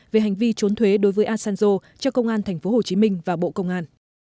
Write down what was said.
về hành vi trốn thuế đối với asanzo cho công an tp hcm và bộ công an